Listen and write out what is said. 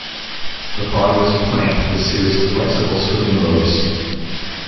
The body was flanked with a series of flexible swimming lobes.